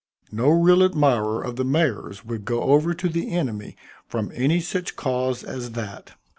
"No real admirer of the mayor's would go over to the enemy from any such cause as that.